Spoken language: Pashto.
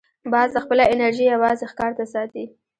باز خپله انرژي یوازې ښکار ته ساتي